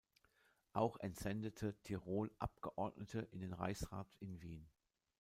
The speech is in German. Auch entsendete Tirol Abgeordnete in den Reichsrat in Wien.